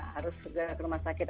harus ke rumah sakit